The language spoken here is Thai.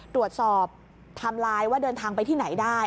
ตรวจสอบไทม์ไลน์ว่าเดินทางไปที่ไหนได้